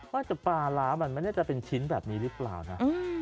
ว่าจะปลาร้ามันจะเป็นชิ้นแบบนี้หรือเปล่านะ